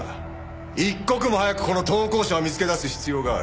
一刻も早くこの投稿者を見つけ出す必要がある。